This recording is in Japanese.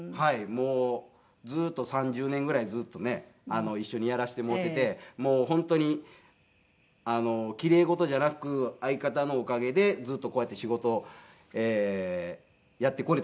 もう３０年ぐらいずっとね一緒にやらせてもうててもう本当に奇麗事じゃなく相方のおかげでずっとこうやって仕事をやってこれたっていうの思っていましたんで。